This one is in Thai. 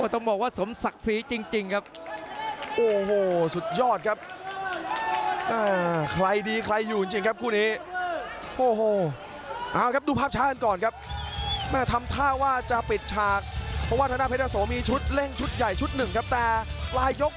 ต้องบอกตรงว่าสมศักดิ์สีจริงครับ